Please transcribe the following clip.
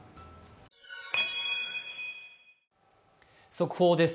速報です。